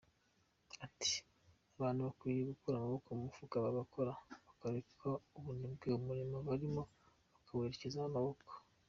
Ati″Abantu bakwiye gukura amaboko mu mufuka bagakora bakareka ubunebwe, umurimo barimo bakawerekezaho amaboko.